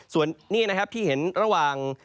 ส่วนนี้นะครับที่เห็นระหว่าง